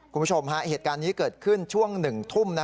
คุณผู้ชมฮะเหตุการณ์นี้เกิดขึ้นช่วง๑ทุ่ม